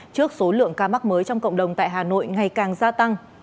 trước số lượng ca mắc mới trong cộng đồng tại hà nội ngày càng gia tăng